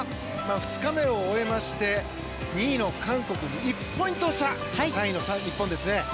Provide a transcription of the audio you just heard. ２日目を終えまして２位の韓国に１ポイント差で３位の日本です。